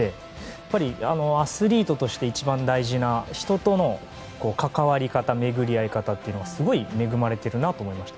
やっぱりアスリートとして一番大事な人との関わり方巡り合い方というのはすごい恵まれているなと思いました。